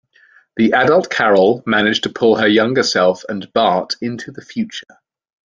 The adult Carol managed to pull her younger self and Bart into the future.